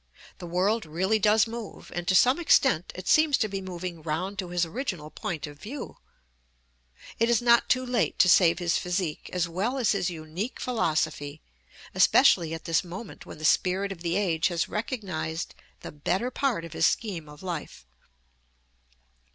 The world really does move, and to some extent it seems to be moving round to his original point of view. It is not too late to save his physique as well as his unique philosophy, especially at this moment when the spirit of the age has recognized the better part of his scheme of life.